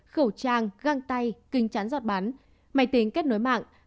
khẩu trang găng tay kinh chán giọt bắn máy tính kết nối mạng